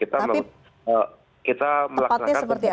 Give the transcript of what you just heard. tapi tepatnya seperti apa